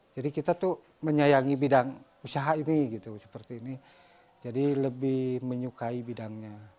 jadi kita menyayangi bidang usaha ini jadi lebih menyukai bidangnya